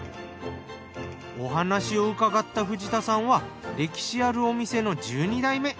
お話を伺った藤田さんは歴史あるお店の１２代目。